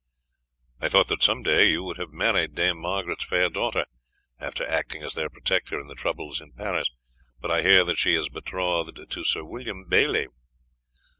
"I thought that some day you would have married Dame Margaret's fair daughter, after acting as their protector in the troubles in Paris, but I hear that she is betrothed to Sir William Bailey."